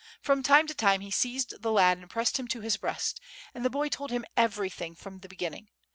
From time to time he seized the lad and pressed him to his breast, and the boy told him everything from beginning.